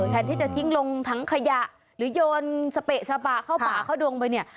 แทนที่จะทิ้งลงถังขยะหรือโยนสเปะสปะเข้าป่าเข้าดงไปเนี่ย